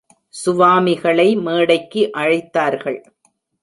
சுவாமிகளை மேடைக்கு அழைத்தார்கள்.